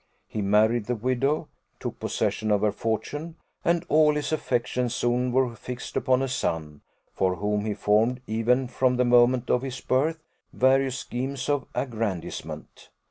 He married the widow, took possession of her fortune, and all his affections soon were fixed upon a son, for whom he formed, even from the moment of his birth, various schemes of aggrandizement.